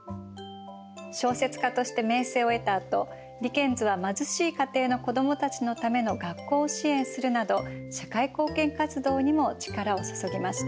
小説家として名声を得たあとディケンズは貧しい家庭の子どもたちのための学校を支援するなど社会貢献活動にも力を注ぎました。